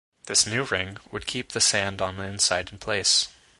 This new ring would keep the sand on the inside in place.